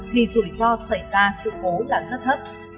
thì rủi ro xảy ra sự cố là rất thấp